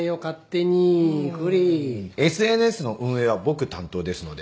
ＳＮＳの運営は僕担当ですので。